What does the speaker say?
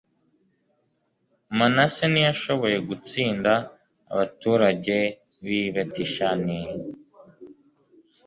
manase ntiyashoboye gutsinda abaturage b'i betishani